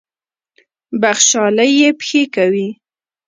بخْشالۍ یې پېښې کوي.